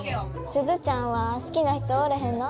鈴ちゃんは好きな人おれへんの？